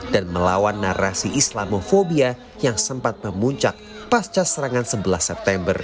dan melawan narasi islamofobia yang sempat memuncak pasca serangan sebelas september